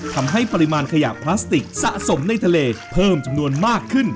ทำให้ปริมาณขยะพลาสติกสะสมในทะเลเพิ่มจำนวนมากขึ้น